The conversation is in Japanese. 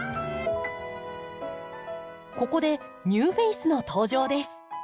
ここでニューフェースの登場です。